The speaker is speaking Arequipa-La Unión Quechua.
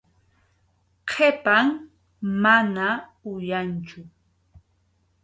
Qhipan, mana uyanchu.